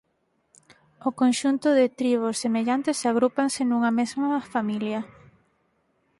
O conxunto de tribos semellantes agrúpanse nunha mesma familia.